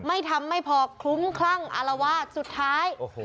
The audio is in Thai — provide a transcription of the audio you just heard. ไม่ทำไม่พอคลุ้มคลั่งอารวาสสุดท้ายโอ้โห